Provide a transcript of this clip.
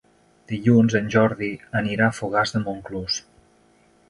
Dilluns en Jordi anirà a Fogars de Montclús.